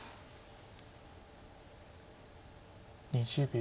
２０秒。